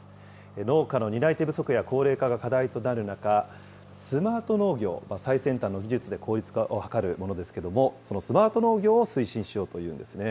農家の担い手不足や高齢化が課題となる中、スマート農業、最先端の技術で効率化を図るものですけれども、そのスマート農業を推進しようというんですね。